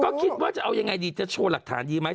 ก็คิดว่าจะเอายังไงดีจะโชว์หลักฐานดีไหม